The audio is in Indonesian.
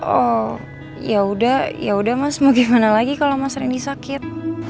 oh yaudah yaudah mas mau gimana lagi kalau mas randy sakit